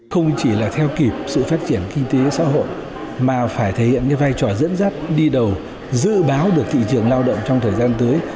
không chỉ là theo kịp sự phát triển kinh tế xã hội mà phải thể hiện cái vai trò dẫn dắt đi đầu dự báo được thị trường lao động trong thời gian tới